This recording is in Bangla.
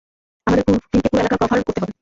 আমাদের টিমকে পুরো এলাকা কভার করতে হবে।